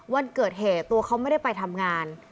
วันเกิดเหตุตัวเขาไม่ได้ไปทำงาน